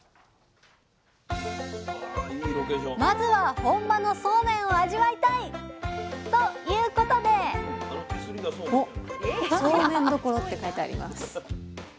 まずは本場のそうめんを味わいたい！ということでおっ「そうめん処」って書いてあります。